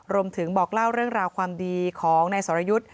บอกเล่าเรื่องราวความดีของนายสรยุทธ์